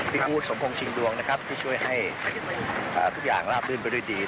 พี่กูธสมพงษิงดวงนะครับที่ช่วยให้ทุกอย่างลาบลื่นไปด้วยดี